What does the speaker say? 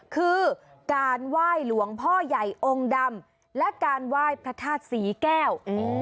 คือการไหว้หลวงพ่อใหญ่องค์ดำและการไหว้พระธาตุศรีแก้ว